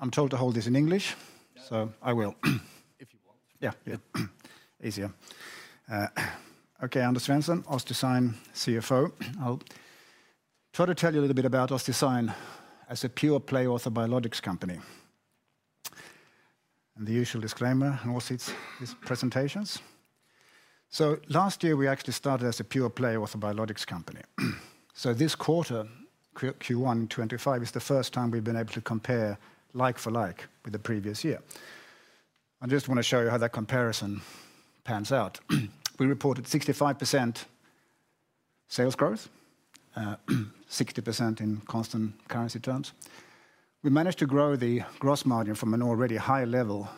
I'm told to hold this in English, so I will. If you want. Yeah, yeah. Easier. Okay, Anders Svensson, OssDsign CFO. I'll try to tell you a little bit about OssDsign as a pure-play orthobiologics company. The usual disclaimer and OssDsign's presentations. Last year we actually started as a pure-play orthobiologics company. This quarter, Q1, Q2025, is the first time we've been able to compare like for like with the previous year. I just want to show you how that comparison pans out. We reported 65% sales growth, 60% in constant currency terms. We managed to grow the gross margin from an already high level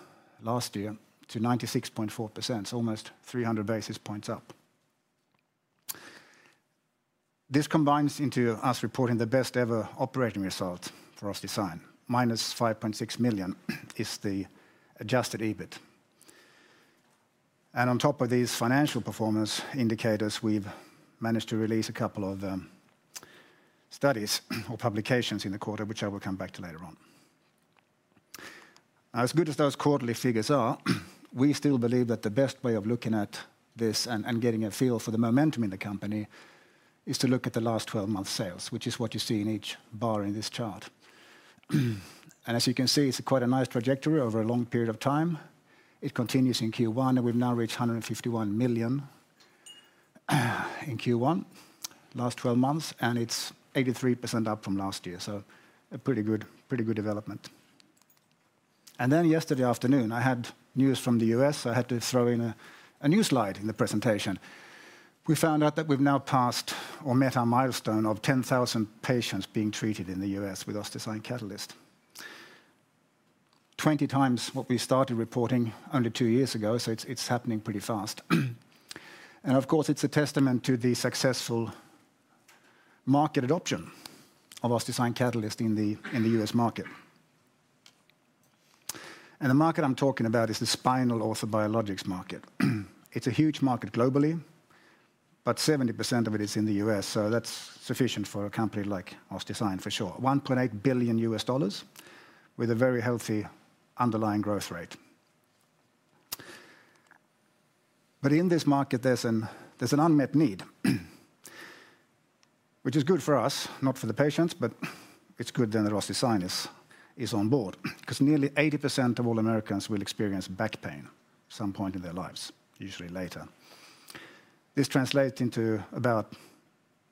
last year to 96.4%, almost 300 basis points up. This combines into us reporting the best-ever operating result for OssDsign, minus $5.6 million is the adjusted EBIT. On top of these financial performance indicators, we've managed to release a couple of studies or publications in the quarter, which I will come back to later on. As good as those quarterly figures are, we still believe that the best way of looking at this and getting a feel for the momentum in the company is to look at the last 12 months' sales, which is what you see in each bar in this chart. As you can see, it's quite a nice trajectory over a long period of time. It continues in Q1, and we've now reached $151 million in Q1, last 12 months, and it's 83% up from last year. A pretty good development. Yesterday afternoon, I had news from the US, so I had to throw in a new slide in the presentation. We found out that we've now passed or met our milestone of 10,000 patients being treated in the U.S. with OssDsign Catalyst. Twenty times what we started reporting only two years ago, so it's happening pretty fast. It is a testament to the successful market adoption of OssDsign Catalyst in the U.S. market. The market I'm talking about is the spinal orthobiologics market. It's a huge market globally, but 70% of it is in the U.S., so that's sufficient for a company like OssDsign for sure. $1.8 billion with a very healthy underlying growth rate. In this market, there's an unmet need, which is good for us, not for the patients, but it's good that OssDsign is on board. Because nearly 80% of all Americans will experience back pain at some point in their lives, usually later. This translates into about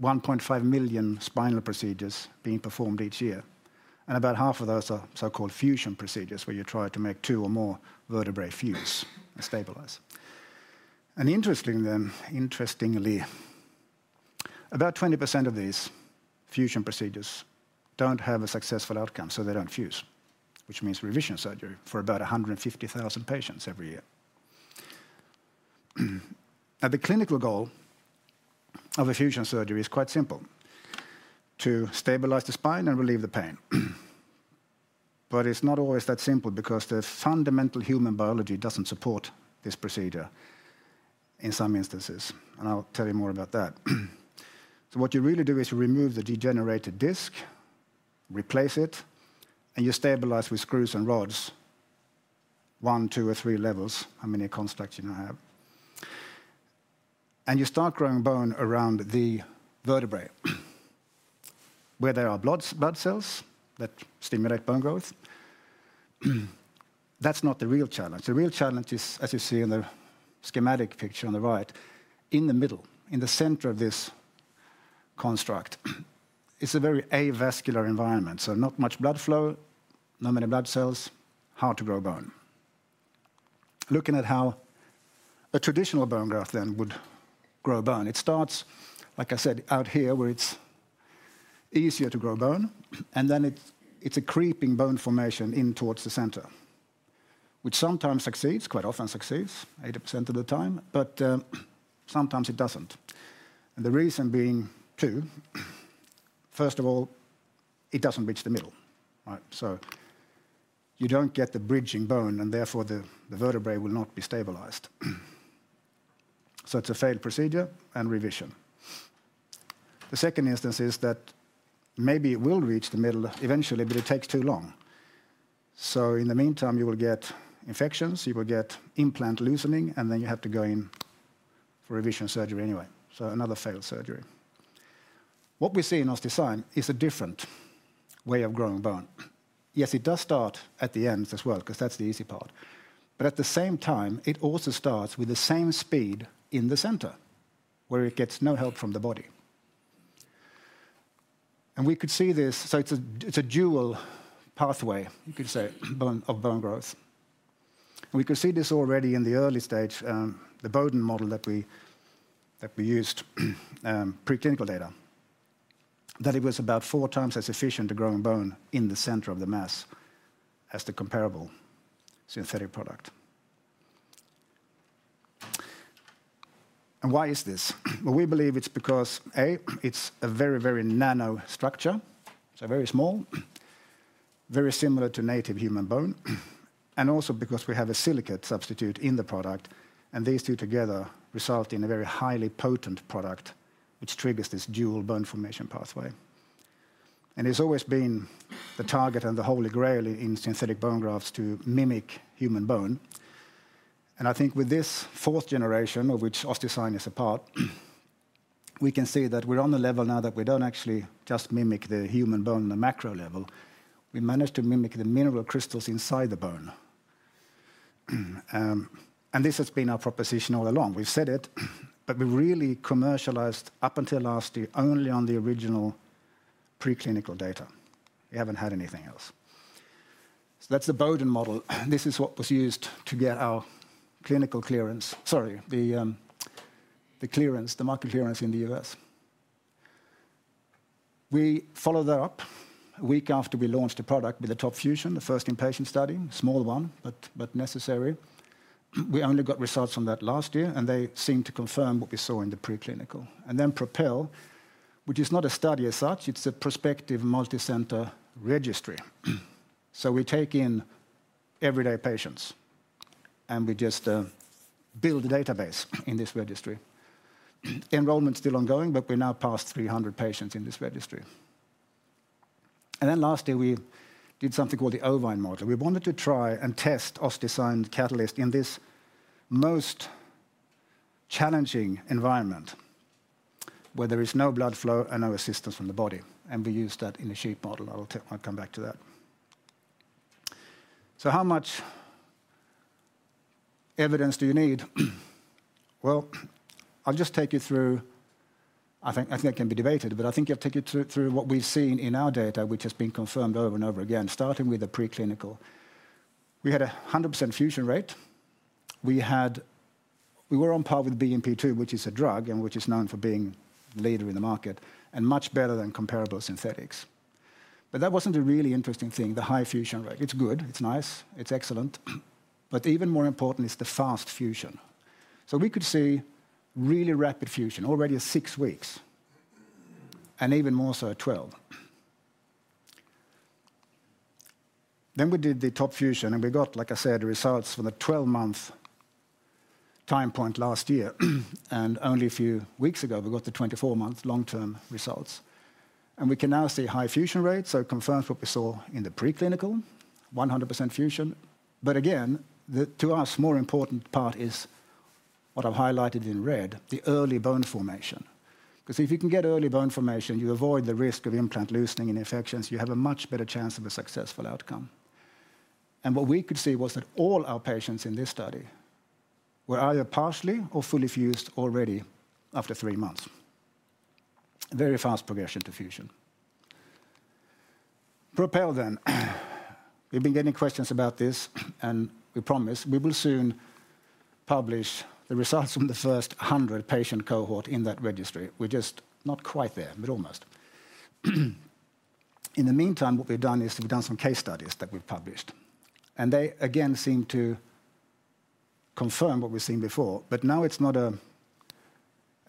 1.5 million spinal procedures being performed each year. About half of those are so-called fusion procedures where you try to make two or more vertebrae fuse and stabilize. Interestingly, about 20% of these fusion procedures do not have a successful outcome, so they do not fuse, which means revision surgery for about 150,000 patients every year. The clinical goal of a fusion surgery is quite simple: to stabilize the spine and relieve the pain. It is not always that simple because the fundamental human biology does not support this procedure in some instances. I will tell you more about that. What you really do is you remove the degenerated disc, replace it, and you stabilize with screws and rods, one, two, or three levels, how many constructs you now have. You start growing bone around the vertebrae where there are blood cells that stimulate bone growth. That's not the real challenge. The real challenge is, as you see in the schematic picture on the right, in the middle, in the center of this construct, it's a very avascular environment, so not much blood flow, not many blood cells, hard to grow bone. Looking at how a traditional bone graft then would grow bone, it starts, like I said, out here where it's easier to grow bone, and then it's a creeping bone formation in towards the center, which sometimes succeeds, quite often succeeds, 80% of the time, but sometimes it doesn't. The reason being two. First of all, it doesn't reach the middle. You don't get the bridging bone, and therefore the vertebrae will not be stabilized. It's a failed procedure and revision. The second instance is that maybe it will reach the middle eventually, but it takes too long. In the meantime, you will get infections, you will get implant loosening, and then you have to go in for revision surgery anyway. Another failed surgery. What we see in OssDsign is a different way of growing bone. Yes, it does start at the ends as well, because that's the easy part. At the same time, it also starts with the same speed in the center, where it gets no help from the body. We could see this, so it's a dual pathway, you could say, of bone growth. We could see this already in the early stage, the Boden model that we used, preclinical data, that it was about four times as efficient to grow bone in the center of the mass as the comparable synthetic product. Why is this? We believe it's because, A, it's a very, very nano structure, so very small, very similar to native human bone, and also because we have a silicate substitute in the product, and these two together result in a very highly potent product, which triggers this dual bone formation pathway. It has always been the target and the holy grail in synthetic bone grafts to mimic human bone. I think with this fourth generation, of which OssDsign is a part, we can see that we're on the level now that we don't actually just mimic the human bone on a macro level. We managed to mimic the mineral crystals inside the bone. This has been our proposition all along. We've said it, but we really commercialized up until last year only on the original preclinical data. We haven't had anything else. That's the Boden model. This is what was used to get our clinical clearance, sorry, the clearance, the market clearance in the U.S. We followed that up a week after we launched the product with the Top fusion, the first in-patient study, small one, but necessary. We only got results from that last year, and they seemed to confirm what we saw in the preclinical. Propel, which is not a study as such, it's a prospective multi-center registry. We take in everyday patients, and we just build a database in this registry. Enrollment's still ongoing, but we're now past 300 patients in this registry. Lastly, we did something called the ovine model. We wanted to try and test OssDsign Catalyst in this most challenging environment, where there is no blood flow and no assistance from the body. We used that in a sheep model. I'll come back to that. How much evidence do you need? I'll just take you through, I think it can be debated, but I think I'll take you through what we've seen in our data, which has been confirmed over and over again, starting with the preclinical. We had a 100% fusion rate. We were on par with rhBMP-2, which is a drug and which is known for being the leader in the market, and much better than comparable synthetics. That wasn't a really interesting thing, the high fusion rate. It's good, it's nice, it's excellent. Even more important is the fast fusion. We could see really rapid fusion, already at six weeks, and even more so at 12. We did the top fusion, and we got, like I said, the results from the 12-month time point last year. Only a few weeks ago, we got the 24-month long-term results. We can now see high fusion rates, so it confirms what we saw in the preclinical, 100% fusion. To us, the more important part is what I've highlighted in red, the early bone formation. If you can get early bone formation, you avoid the risk of implant loosening and infections, you have a much better chance of a successful outcome. What we could see was that all our patients in this study were either partially or fully fused already after three months. Very fast progression to fusion. Propel then. We've been getting questions about this, and we promise we will soon publish the results from the first 100 patient cohort in that registry. We're just not quite there, but almost. In the meantime, what we've done is we've done some case studies that we've published. They, again, seem to confirm what we've seen before, but now it's not a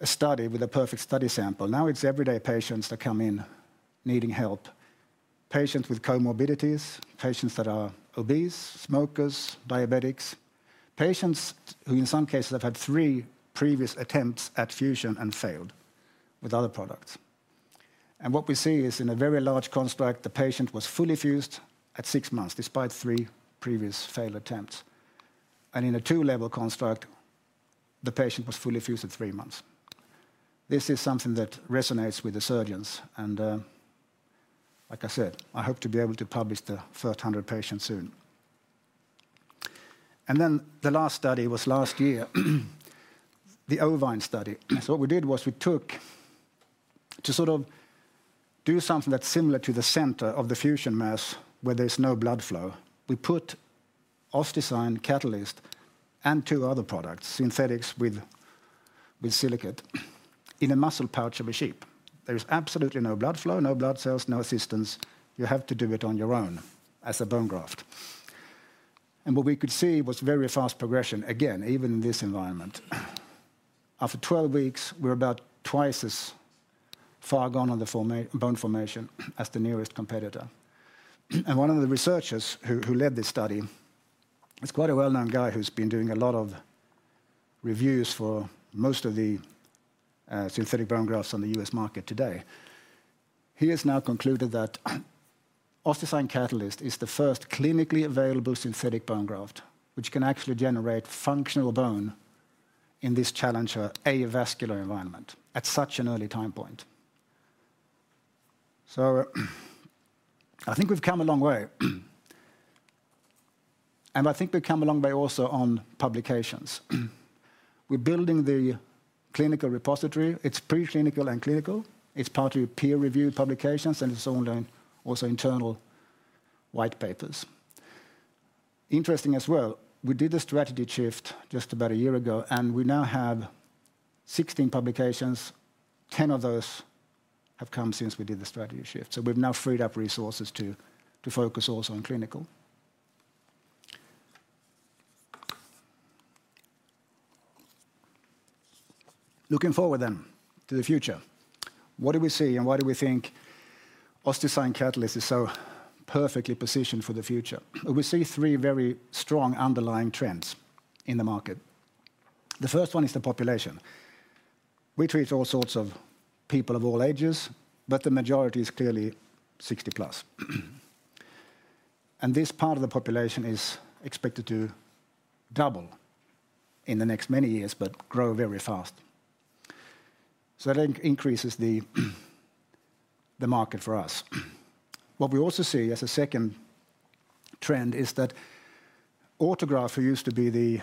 study with a perfect study sample. Now it's everyday patients that come in needing help, patients with comorbidities, patients that are obese, smokers, diabetics, patients who in some cases have had three previous attempts at fusion and failed with other products. What we see is in a very large construct, the patient was fully fused at six months despite three previous failed attempts. In a two-level construct, the patient was fully fused at three months. This is something that resonates with the surgeons. Like I said, I hope to be able to publish the first 100 patients soon. The last study was last year, the ovine study. What we did was we took to sort of do something that's similar to the center of the fusion mass where there's no blood flow. We put OssDsign Catalyst and two other products, synthetics with silicate, in a muscle pouch of a sheep. There is absolutely no blood flow, no blood cells, no assistance. You have to do it on your own as a bone graft. What we could see was very fast progression, again, even in this environment. After 12 weeks, we're about twice as far gone on the bone formation as the nearest competitor. One of the researchers who led this study, it's quite a well-known guy who's been doing a lot of reviews for most of the synthetic bone grafts on the U.S. market today. He has now concluded that OssDsign Catalyst is the first clinically available synthetic bone graft, which can actually generate functional bone in this challenging avascular environment at such an early time point. I think we've come a long way. I think we've come a long way also on publications. We're building the clinical repository. It's preclinical and clinical. It's partly peer-reviewed publications, and it's also internal white papers. Interesting as well, we did a strategy shift just about a year ago, and we now have 16 publications. Ten of those have come since we did the strategy shift. We've now freed up resources to focus also on clinical. Looking forward then to the future, what do we see and why do we think OssDsign Catalyst is so perfectly positioned for the future? We see three very strong underlying trends in the market. The first one is the population. We treat all sorts of people of all ages, but the majority is clearly 60+. This part of the population is expected to double in the next many years, but grow very fast. That increases the market for us. What we also see as a second trend is that autograft, which used to be the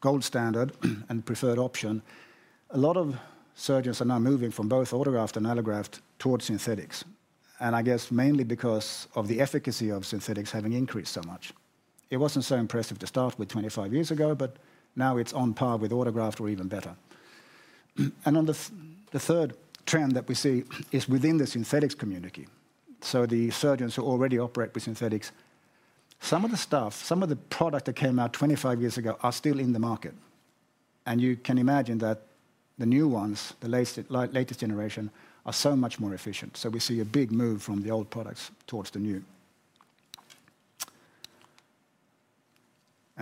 gold standard and preferred option, a lot of surgeons are now moving from both autograft and allograft towards synthetics. I guess mainly because of the efficacy of synthetics having increased so much. It wasn't so impressive to start with 25 years ago, but now it's on par with autograft or even better. The third trend that we see is within the synthetics community. The surgeons who already operate with synthetics, some of the stuff, some of the product that came out 25 years ago are still in the market. You can imagine that the new ones, the latest generation, are so much more efficient. We see a big move from the old products towards the new.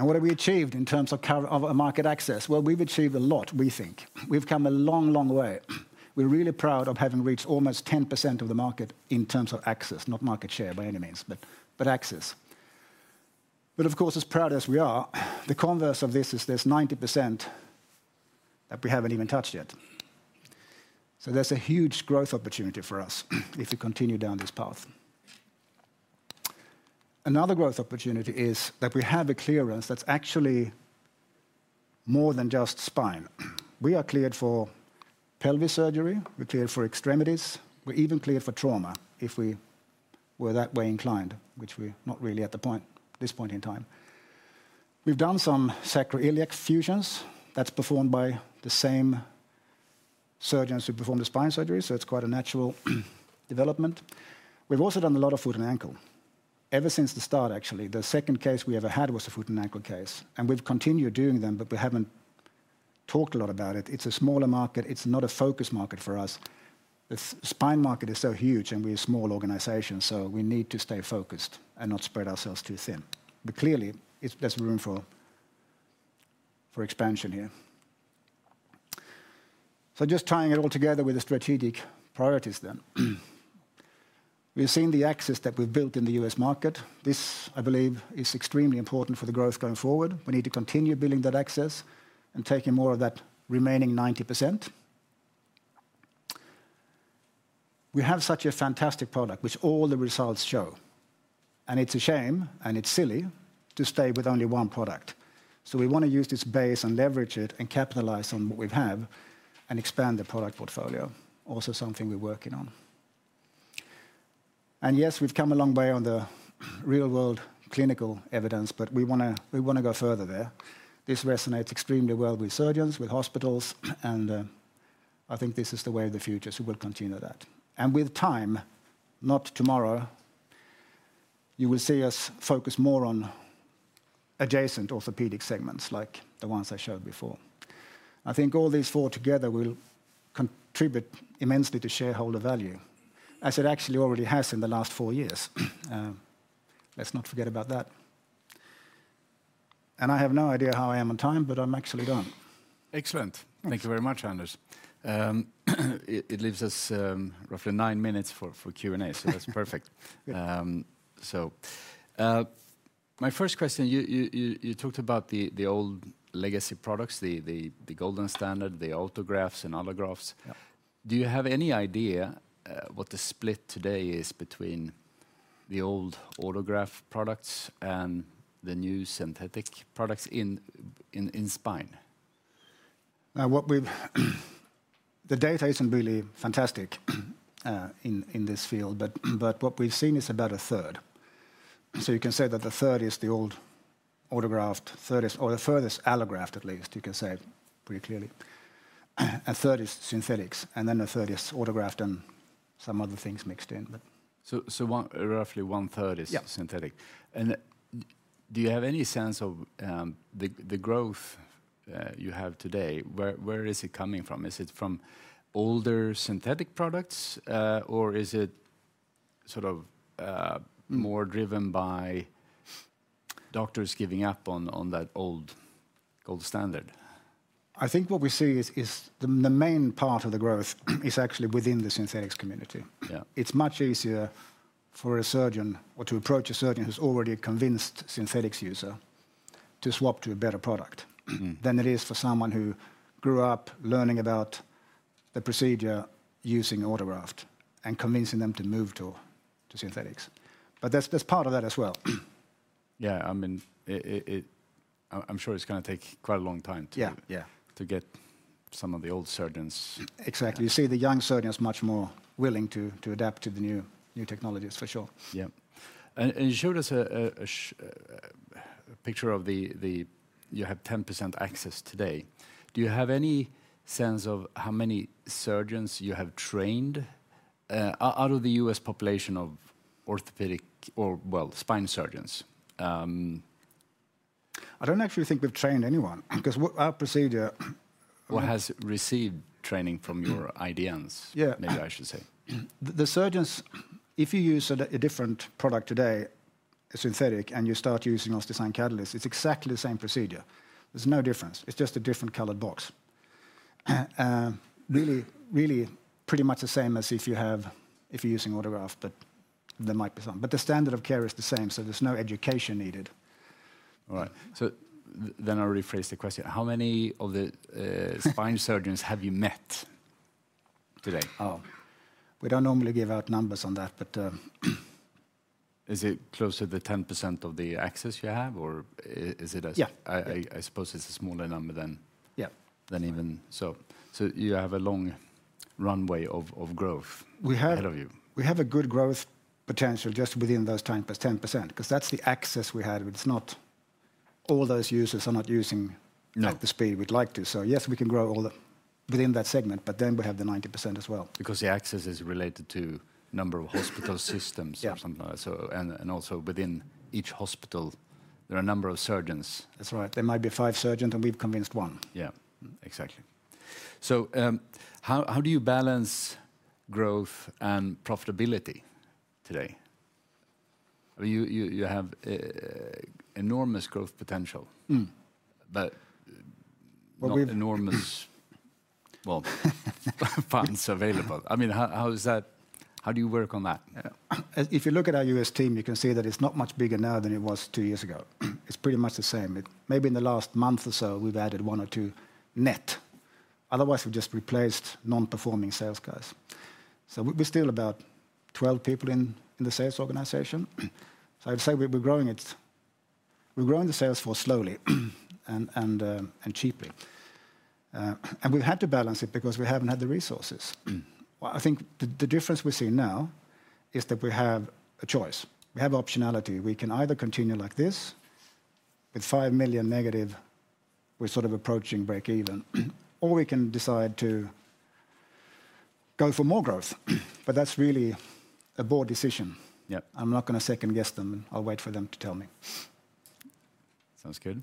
What have we achieved in terms of market access? We've achieved a lot, we think. We've come a long, long way. We're really proud of having reached almost 10% of the market in terms of access, not market share by any means, but access. Of course, as proud as we are, the converse of this is there's 90% that we haven't even touched yet. There's a huge growth opportunity for us if we continue down this path. Another growth opportunity is that we have a clearance that's actually more than just spine. We are cleared for pelvis surgery, we're cleared for extremities, we're even cleared for trauma if we were that way inclined, which we're not really at this point in time. We've done some sacroiliac fusions that's performed by the same surgeons who perform the spine surgery, so it's quite a natural development. We've also done a lot of foot and ankle. Ever since the start, actually, the second case we ever had was a foot and ankle case. We've continued doing them, but we haven't talked a lot about it. It's a smaller market, it's not a focus market for us. The spine market is so huge and we're a small organization, so we need to stay focused and not spread ourselves too thin. Clearly, there's room for expansion here. Just tying it all together with the strategic priorities then. We've seen the access that we've built in the U.S. market. This, I believe, is extremely important for the growth going forward. We need to continue building that access and taking more of that remaining 90%. We have such a fantastic product, which all the results show. It's a shame and it's silly to stay with only one product. We want to use this base and leverage it and capitalize on what we have and expand the product portfolio. Also something we're working on. Yes, we've come a long way on the real-world clinical evidence, but we want to go further there. This resonates extremely well with surgeons, with hospitals, and I think this is the way of the future, so we'll continue that. With time, not tomorrow, you will see us focus more on adjacent orthopedic segments like the ones I showed before. I think all these four together will contribute immensely to shareholder value, as it actually already has in the last four years. Let's not forget about that. I have no idea how I am on time, but I'm actually done. Excellent. Thank you very much, Anders. It leaves us roughly nine minutes for Q&A, so that's perfect. My first question, you talked about the old legacy products, the golden standard, the autografts and allografts. Do you have any idea what the split today is between the old autograft products and the new synthetic products in spine? The data is not really fantastic in this field, but what we have seen is about a third. You can say that a third is the old autograft, a third is, or a third is allograft at least, you can say pretty clearly. A third is synthetics, and then a third is autograft and some other things mixed in. Roughly one third is synthetic. Do you have any sense of the growth you have today? Where is it coming from? Is it from older synthetic products, or is it sort of more driven by doctors giving up on that old standard? I think what we see is the main part of the growth is actually within the synthetics community. It's much easier for a surgeon or to approach a surgeon who's already a convinced synthetics user to swap to a better product than it is for someone who grew up learning about the procedure using autograft and convincing them to move to synthetics. There's part of that as well. Yeah, I mean, I'm sure it's going to take quite a long time to get some of the old surgeons. Exactly. You see the young surgeons much more willing to adapt to the new technologies, for sure. Yeah. You showed us a picture of the, you have 10% access today. Do you have any sense of how many surgeons you have trained out of the U.S. population of orthopedic or, well, spine surgeons? I don't actually think we've trained anyone because our procedure. What has received training from your ideas, maybe I should say. The surgeons, if you use a different product today, a synthetic, and you start using OssDsign Catalyst, it's exactly the same procedure. There's no difference. It's just a different colored box. Really, really pretty much the same as if you're using autograft, but there might be some. The standard of care is the same, so there's no education needed. All right. I'll rephrase the question. How many of the spine surgeons have you met today? Oh, we don't normally give out numbers on that, but is it close to the 10% of the access you have, or is it, I suppose, it's a smaller number than even, so you have a long runway of growth ahead of you. We have a good growth potential just within those 10% because that's the access we had. It's not all those users are not using at the speed we'd like to. Yes, we can grow within that segment, but then we have the 90% as well. The access is related to number of hospital systems or something like that. Also, within each hospital, there are a number of surgeons. That's right. There might be five surgeons and we've convinced one. Yeah, exactly. How do you balance growth and profitability today? You have enormous growth potential, but enormous funds available. I mean, how do you work on that? If you look at our U.S. team, you can see that it's not much bigger now than it was two years ago. It's pretty much the same. Maybe in the last month or so, we've added one or two net. Otherwise, we've just replaced non-performing sales guys. We're still about 12 people in the sales organization. I'd say we're growing the sales force slowly and cheaply. We've had to balance it because we haven't had the resources. I think the difference we see now is that we have a choice. We have optionality. We can either continue like this with $5 million negative, we're sort of approaching break even, or we can decide to go for more growth. That's really a board decision. I'm not going to second guess them. I'll wait for them to tell me. Sounds good.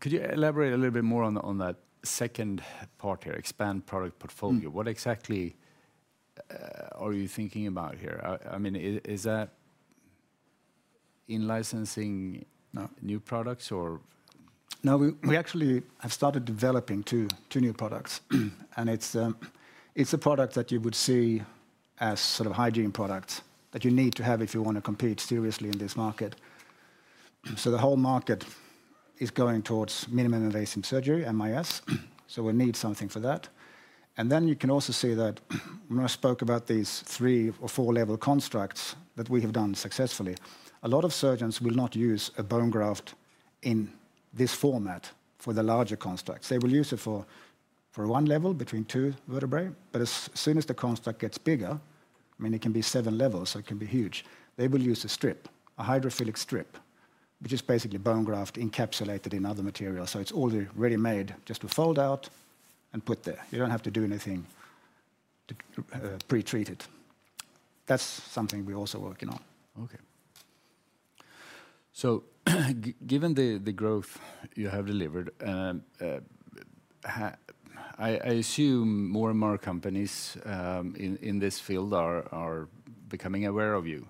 Could you elaborate a little bit more on that second part here, expand product portfolio? What exactly are you thinking about here? I mean, is that in licensing new products or? No, we actually have started developing two new products. It's a product that you would see as sort of hygiene products that you need to have if you want to compete seriously in this market. The whole market is going towards minimally invasive surgery, MIS. We need something for that. You can also see that when I spoke about these three or four-level constructs that we have done successfully, a lot of surgeons will not use a bone graft in this format for the larger constructs. They will use it for one level between two vertebrae. As soon as the construct gets bigger, I mean, it can be seven levels, so it can be huge. They will use a strip, a hydrophilic strip, which is basically bone graft encapsulated in other material. It's all ready-made just to fold out and put there. You don't have to do anything to pretreat it. That's something we're also working on. Okay. Given the growth you have delivered, I assume more and more companies in this field are becoming aware of you.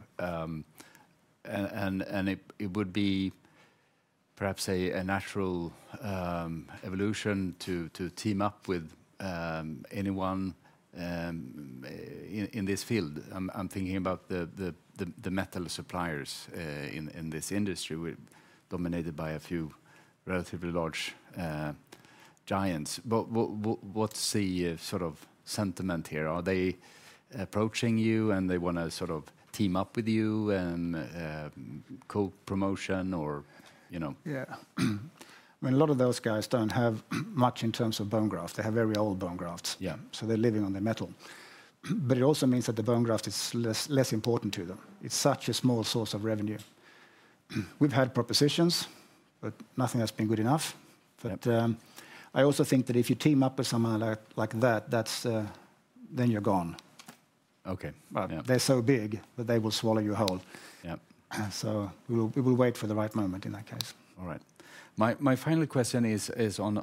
It would be perhaps a natural evolution to team up with anyone in this field. I'm thinking about the metal suppliers in this industry, dominated by a few relatively large giants. What's the sort of sentiment here? Are they approaching you and they want to sort of team up with you and co-promotion or? Yeah. I mean, a lot of those guys don't have much in terms of bone graft. They have very old bone grafts. They are living on their metal. It also means that the bone graft is less important to them. It's such a small source of revenue. We've had propositions, but nothing has been good enough. But I also think that if you team up with someone like that, then you're gone. Okay. They're so big that they will swallow you whole. We will wait for the right moment in that case. All right. My final question is on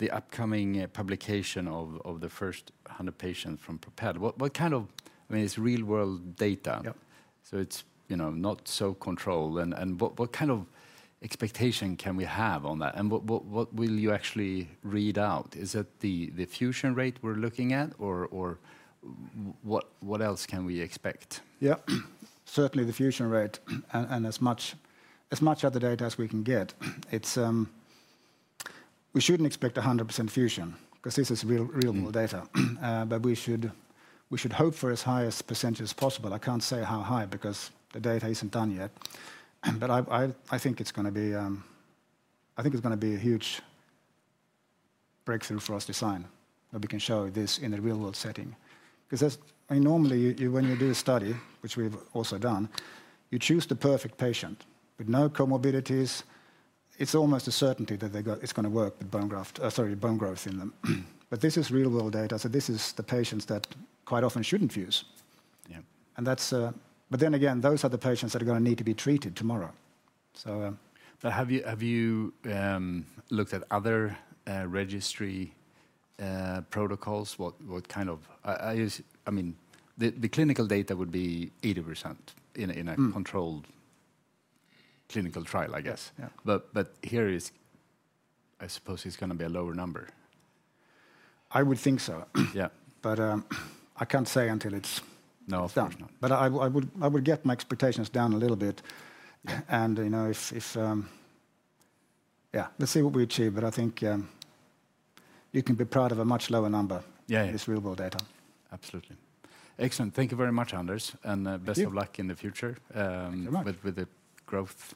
the upcoming publication of the first 100 patients from Propel. What kind of, I mean, it's real-world data. It's not so controlled. What kind of expectation can we have on that? What will you actually read out? Is it the fusion rate we're looking at, or what else can we expect? Yeah, certainly the fusion rate. As much of the data as we can get, we shouldn't expect 100% fusion because this is real-world data. We should hope for as high a percentage as possible. I can't say how high because the data isn't done yet. I think it's going to be a huge breakthrough for OssDsign that we can show this in a real-world setting. Because normally when you do a study, which we've also done, you choose the perfect patient with no comorbidities. It's almost a certainty that it's going to work with bone graft or, sorry, bone growth in them. This is real-world data. These are the patients that quite often shouldn't fuse. Then again, those are the patients that are going to need to be treated tomorrow. Have you looked at other registry protocols? What kind of, I mean, the clinical data would be 80% in a controlled clinical trial, I guess. Here, I suppose it's going to be a lower number. I would think so, but I can't say until it's done. I would get my expectations down a little bit. Yeah, let's see what we achieve. I think you can be proud of a much lower number in this real-world data. Absolutely. Excellent. Thank you very much, Anders. Best of luck in the future with the growth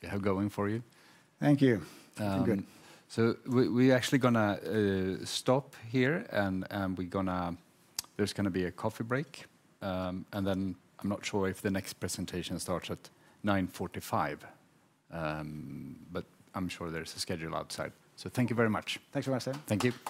you have going for you. Thank you. We're actually going to stop here and there's going to be a coffee break. I'm not sure if the next presentation starts at 9:45 A.M., but I'm sure there's a schedule outside. Thank you very much. Thanks very much, Sam. Thank you.